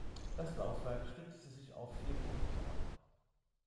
Das Laufwerk stützte sich auf vier Punkte ab.